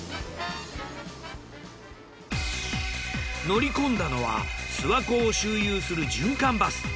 乗り込んだのは諏訪湖を周遊する循環バス。